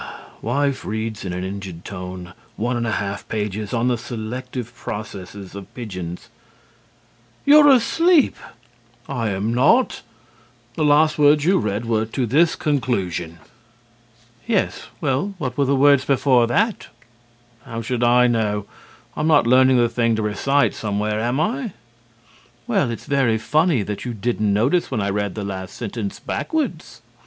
WIFE: (reads in an injured tone one and a half pages on the selective processes of pigeons): You're asleep! HUSBAND: I am not. The last words you read were "to this conclusion." WIFE: Yes, well, what were the words before that? HUSBAND: How should I know? I'm not learning the thing to recite somewhere, am I? WIFE: Well, it's very funny that you didn't notice when I read the last sentence backwards.